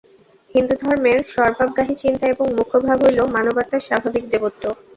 হিন্দুধর্মের সর্বাবগাহী চিন্তা এবং মুখ্য ভাব হইল মানবাত্মার স্বাভাবিক দেবত্ব।